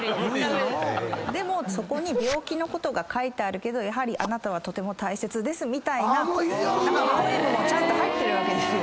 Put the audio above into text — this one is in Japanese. でもそこに病気のことが書いてあるけど「あなたはとても大切」みたいなポエムもちゃんと入ってるわけですよ。